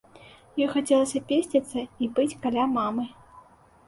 Ёй хацелася песціцца і быць каля мамы.